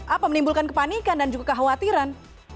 apa menimbulkan kepanikan dan juga kekhawatiran